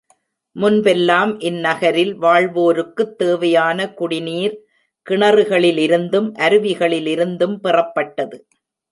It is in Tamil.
முன்பெல்லாம், இந்நகரில் வாழ்வோருக்குத் தேவையான குடிநீர், கிணறுகளிலிருந்தும், அருவிகளிலிருந்தும் பெறப்பட்டது.